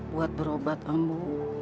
buat berobat ambu